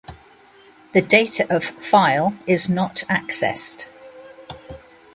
The data of file is not accessed.